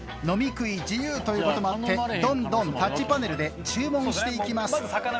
飲み食い自由という事もあってどんどんタッチパネルで注文していきます。